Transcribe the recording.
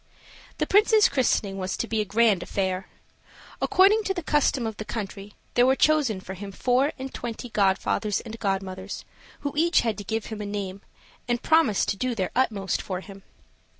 The Prince's christening was to be a grand affair. According to the custom of the country, there were chosen for him four and twenty god fathers and godmothers, who each had to give him a name, and promise to do their utmost for him.